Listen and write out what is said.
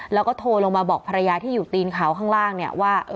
แล้วก็โทรลงมาบอกภรรยาที่อยู่ตีนเขาข้างล่างเนี่ยว่า